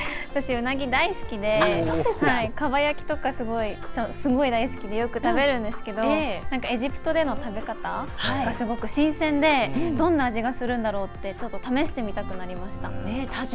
私、うなぎ大好きでかば焼きとかすごい大好きでよく食べるんですけどエジプトでの食べ方がすごく新鮮でどんな味がするんだろうってちょっと試してみたくなりました。